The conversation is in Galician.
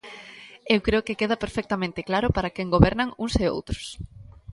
Eu creo que queda perfectamente claro para quen gobernan uns e outros.